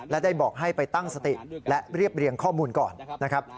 และได้บอกให้ไปตั้งสติและเรียบเรียงข้อมูลก่อนนะครับ